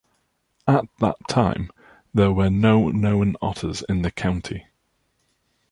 At that time, there were no known otters in the county.